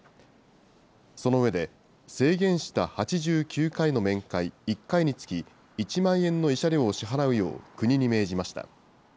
その上で、制限した８９回の面会１回につき１万円の慰謝料を支払うよう、国に命じました。